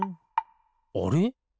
あれ？